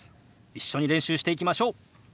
一緒に練習していきましょう。